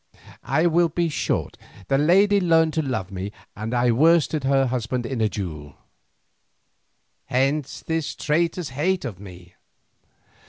I will be short; the lady learned to love me and I worsted her husband in a duel. Hence this traitor's hate of me."